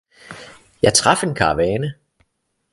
Jeg traf en karavane